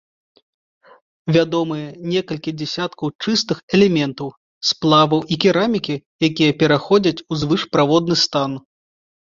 Вядомыя некалькі дзясяткаў чыстых элементаў, сплаваў і керамікі, якія пераходзяць у звышправодны стан.